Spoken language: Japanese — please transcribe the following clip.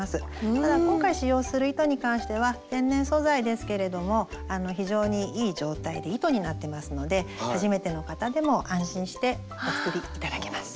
ただ今回使用する糸に関しては天然素材ですけれども非常にいい状態で糸になってますので初めての方でも安心してお作り頂けます。